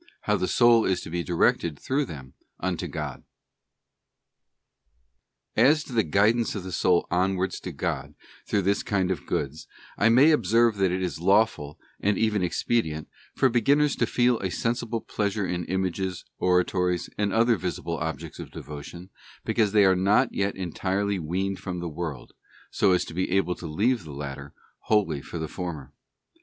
How the soul is to be directed through them unto God. As to the guidance of the soul onwards to God through this kind of goods, I may observe that it is lawful, and even expe dient, for beginners to feel a sensible pleasure in Images, Oratories, and other visible objects of devotion, because they are not yet entirely weaned from the world, so as to be able to leave the latter wholly for the former.